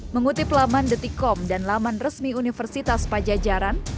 mengutip laman detikom dan laman resmi universitas pajajaran